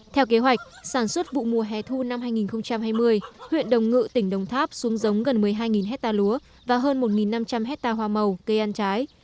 theo kế hoạch sản xuất vụ mùa hè thu năm hai nghìn hai mươi huyện đồng ngự tỉnh đồng tháp xuống giống gần một mươi hai hectare lúa và hơn một năm trăm linh hectare hoa màu cây ăn trái